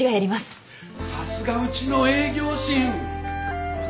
さすがうちの営業神！